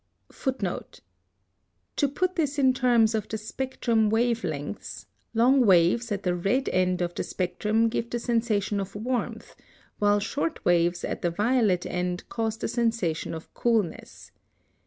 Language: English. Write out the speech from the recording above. [Footnote 31: To put this in terms of the spectrum wave lengths, long waves at the red end of the spectrum give the sensation of warmth, while short waves at the violet end cause the sensation of coolness.